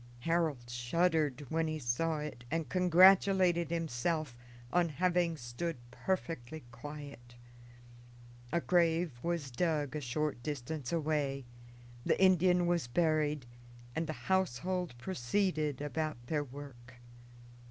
Harold shuddered when he saw it and congratulated himself on having stood perfectly quiet. A grave was dug a short distance away, the Indian was buried, and the household proceeded about their work.